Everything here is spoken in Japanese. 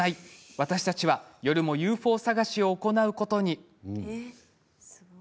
私たちは夜もＵＦＯ探しを行うことに。